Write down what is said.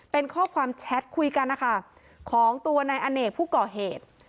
เป็นข้อความแชทคุยกันนะคะของตัวนายอเนกผู้ก่อเหตุ